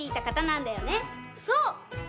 そう！